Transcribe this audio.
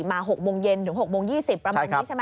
มา๖โมงเย็นถึง๖โมง๒๐ประมาณนี้ใช่ไหม